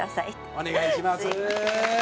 蛍原：お願いします。